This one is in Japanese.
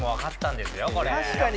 確かに。